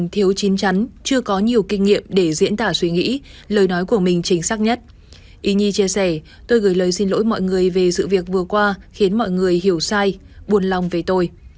tôi gửi lời xin lỗi mọi người về sự việc vừa qua khiến mọi người hiểu sai buồn lòng về tôi